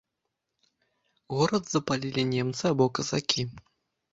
Горад запалілі немцы або казакі.